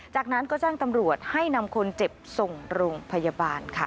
จากนั้นก็แจ้งตำรวจให้นำคนเจ็บส่งโรงพยาบาลค่ะ